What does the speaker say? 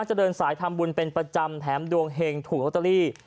จะเดินสายทำบุญเป็นประจำแถมดวงเห็งถูกลอตเตอรี่